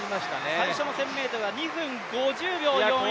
最初１０００ｍは２分５０秒４１。